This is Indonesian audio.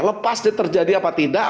lepas dia terjadi apa tidak